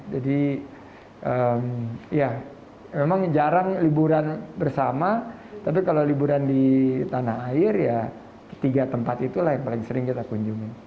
jadi ya memang jarang liburan bersama tapi kalau liburan di tanah air ya ketiga tempat itulah yang paling sering kita kunjungin